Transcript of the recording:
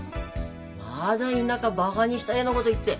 また田舎バカにしたようなこと言って。